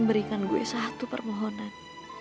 berikan gue satu permohonan